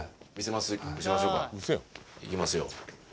はい。いきますよ。